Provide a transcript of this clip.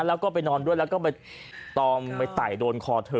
แล้วก็ไปนอนด้วยแล้วก็ไปตอมไปไต่โดนคอเธอ